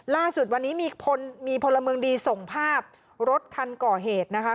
ล่าสุดวันนี้มีคนมีพลเมืองดีส่งภาพรถคันก่อเหตุนะคะ